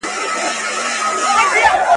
پټه خوله اقرار دئ.